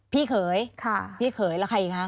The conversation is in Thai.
พี่เขยพี่เขยแล้วใครอีกคะ